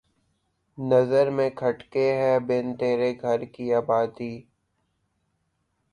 نظر میں کھٹکے ہے بن تیرے گھر کی آبادی